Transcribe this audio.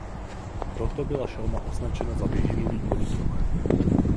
Proto byla šelma označena za vyhynulý poddruh.